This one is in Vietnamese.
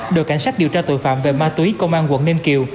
đội cảnh sát điều tra tội phạm về ma túy công an quận ninh kiều